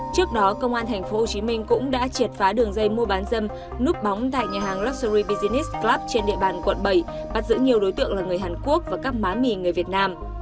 trước đó công an tp hcm cũng đã triệt phá đường dây mua bán dâm núp bóng tại nhà hàng luxury business club trên địa bàn quận bảy bắt giữ nhiều đối tượng là người hàn quốc và các má mì người việt nam